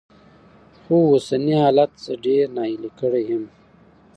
خو اوسني حالات زه ډېره ناهيلې کړې يم.